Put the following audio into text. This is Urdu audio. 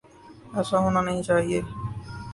ایسا ہونا نہیں چاہیے۔